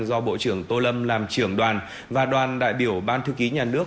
do bộ trưởng tô lâm làm trưởng đoàn và đoàn đại biểu ban thư ký nhà nước